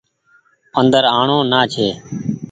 اندر آڻو نآ ڇي۔